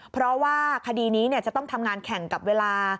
เพราะว่าคดีนี้จะต้องทำงานแข่งกับเวลา